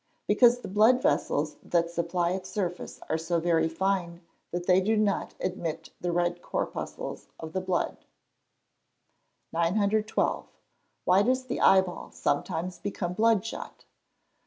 _ Because the blood vessels that supply its surface are so very fine that they do not admit the red corpuscles of the blood. 912. _Why does the eyeball sometimes become blood shot?